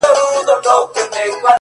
• چاته د يار خبري ډيري ښې دي،a